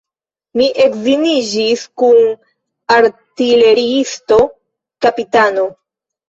Mi edziniĝis kun artileriisto, kapitano.